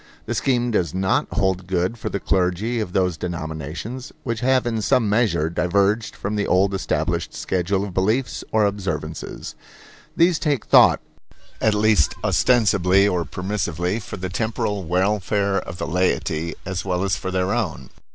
The scheme does not hold good for the clergy of those denominations which have in some measure diverged from the old established schedule of beliefs or observances. These take thought, at least ostensibly or permissively, for the temporal welfare of the laity, as well as for their own.